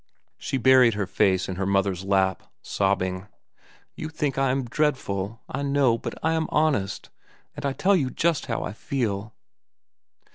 She buried her face in her mother's lap, sobbing. "You think I am dreadful, I know, but I am honest, and I tell you just how I feel."